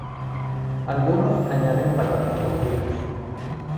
Algunos añaden patatas cocidas.